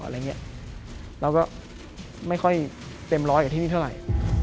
เราก็ไม่ค่อยเต็มร้อยกว่าที่นี่เท่าไหร่